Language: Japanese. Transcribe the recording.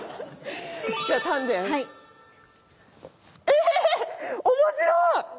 え面白い！